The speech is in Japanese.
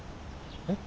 えっ？